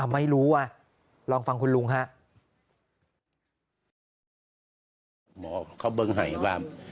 ไม่รู้ว่าลองฟังคุณลุงฮะ